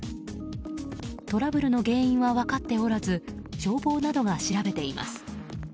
トラブルの原因は分かっておらず消防などが調べています。